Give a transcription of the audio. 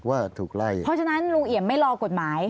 เพราะฉะนั้นลุงเอี่ยมไม่รอกฎหมาย